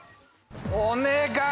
お願い！